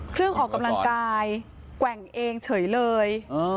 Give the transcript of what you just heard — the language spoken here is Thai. เครื่องออกกำลังกายแกว่งเองเฉยเลย